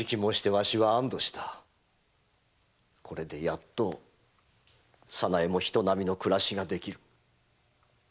これでやっと早苗も人並みの暮らしができる。